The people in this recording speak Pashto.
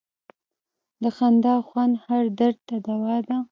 د خندا خوند هر درد ته دوا ده.